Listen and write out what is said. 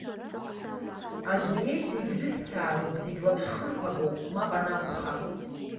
Адунеи зегь ҩысҭаароуп, зегь лаԥшхырԥагоуп, мап анакәха.